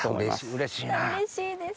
うれしいです。